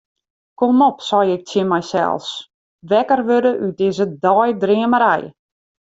Kom op, sei ik tsjin mysels, wekker wurde út dizze deidreamerij.